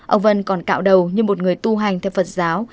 ông vân còn cạo đầu như một người tu hành theo phật giáo